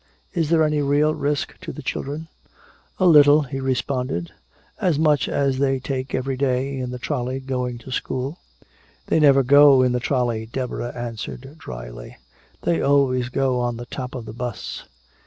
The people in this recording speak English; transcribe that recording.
"Is there any real risk to the children?" "A little," he responded. "As much as they take every day in the trolley going to school." "They never go in the trolley," Deborah answered dryly. "They always go on the top of the 'bus."